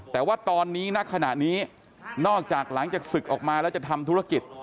แต่ว่าตอนนี้ณขณะนี้นอกจากหลังจากศึกออกมาแล้วจะทำธุรกิจ